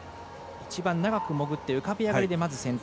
一番長く潜って浮かび上がりで、まず先頭。